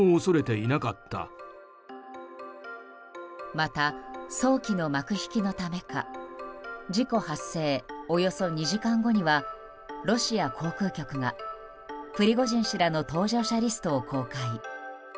また早期の幕引きのためか事故発生およそ２時間後にはロシア航空局がプリゴジン氏らの搭乗者リストを公開。